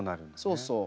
そうそう。